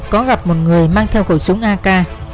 có gặp một người mang theo khẩu súng ak